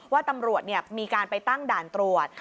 ว่าตำรวจมีการไปตั้งด่านตรวจ